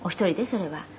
それは」